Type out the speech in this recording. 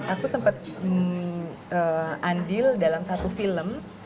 aku sempat andil dalam satu film